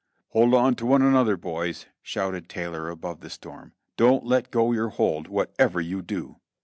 "Hold on to one another, boys!" shouted Taylor above the storm ; "don't let go your hold, whatever you do!"